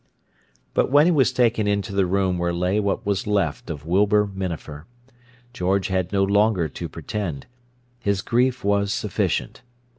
But when he was taken into the room where lay what was left of Wilbur Minafer, George had no longer to pretend; his grief was sufficient.